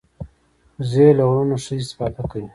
وزې له غرونو ښه استفاده کوي